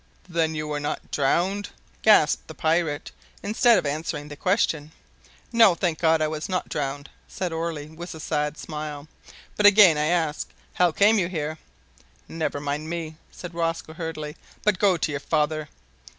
"Then you were not drowned?" gasped the pirate, instead of answering the question. "No, thank God. I was not drowned," said Orley, with a sad smile. "But again I ask, How came you here?" "Never mind me," said Rosco hurriedly, "but go to your father."